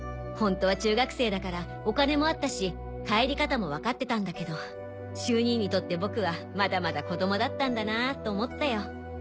ホントは中学生だからお金もあったし帰り方もわかってたんだけど秀兄にとって僕はまだまだ子供だったんだなぁと思ったよ。